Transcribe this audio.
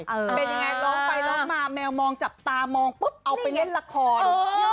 เป็นยังไงร้องไปร้องมาแมวมองจับตามองปุ๊บเอาไปเล่นละคร